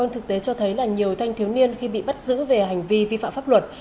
thực tế cho thấy là nhiều thanh thiếu niên khi bị bắt giữ về hành vi vi phạm pháp luật